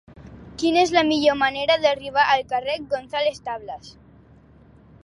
Quina és la millor manera d'arribar al carrer de González Tablas?